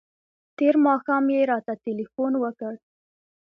تېر ماښام یې راته تلیفون وکړ.